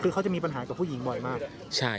คือเขาจะมีปัญหากับผู้หญิงบ่อยมาก